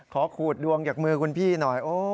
ขูดดวงจากมือคุณพี่หน่อย